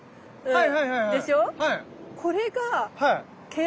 はい。